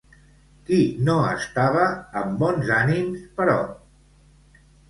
Qui no estava amb bons ànims, però?